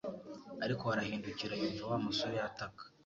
ariko arahindukira yumva Wa musore ataka